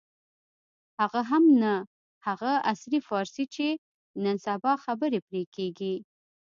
هغه هم نه هغه عصري فارسي چې نن سبا خبرې پرې کېږي.